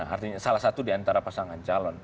artinya salah satu diantara pasangan calon